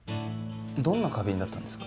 どんな花瓶だったんですか？